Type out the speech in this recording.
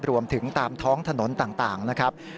รวมถึงตามท้องถนนต่างนะครับ